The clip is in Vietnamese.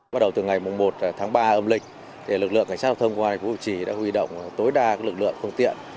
bắt đầu từ ngày một tháng ba âm lịch lực lượng cảnh sát giao thông công an tỉnh phú thọ đã huy động tối đa lực lượng không tiện